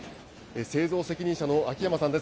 製造責任者の秋山さんです。